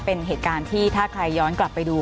เป็นเหตุการณ์ที่ถ้าใครย้อนกลับไปดู